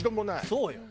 そうよ。